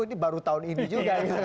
ini baru tahun ini juga